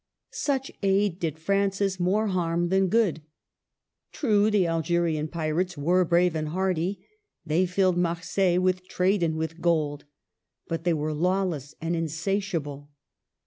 Such aid did Francis more harm than good. True, the Algerian pirates were brave and hardy, they filled Marseilles with trade and with gold ; but they were lawless and insatiable.